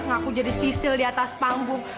ngaku jadi sisil di atas panggung